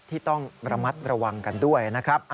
ที่ต้องระมัดระวังกันด้วยนะครับ